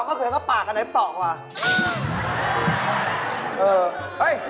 มะเขือกก็ปากอันนี้ตกหรือหวก